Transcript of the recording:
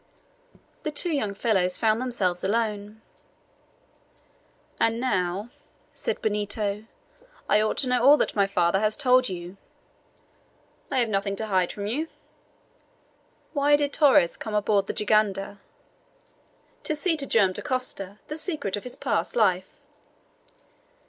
The two young fellows found themselves alone. "And now," said Benito, "I ought to know all that my father has told you." "I have nothing to hide from you." "Why did Torres come on board the jangada?" "To see to Joam Dacosta the secret of his past life."